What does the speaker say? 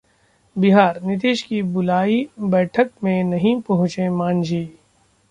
बिहार: नीतीश की बुलाई बैठक में नहीं पहुंचे मांझी